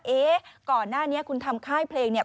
เอ๊ะก่อนหน้านี้คุณทำค่ายเพลง